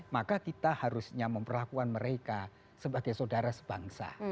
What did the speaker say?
maka kita harusnya memperlakukan mereka sebagai saudara sebangsa